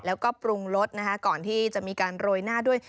แล้วก็ปรุงรสนะคะก่อนที่จะมีการโรยหน้าด้วย